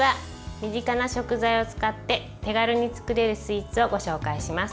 身近な食材を使って手軽に作れるスイーツをご紹介します。